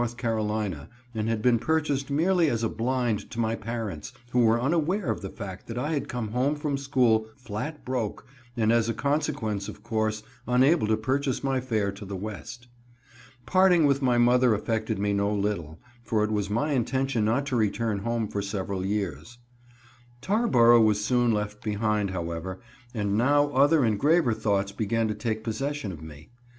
C., and had been purchased merely as a blind to my parents, who were unaware of the fact that I had come home from school "flat broke," and as a consequence, of course, unable to purchase my fare to the West. Parting with my mother affected me no little, for it was my intention not to return home for several years. Tarboro was soon left behind, however, and now other and graver thoughts began to take possession of me.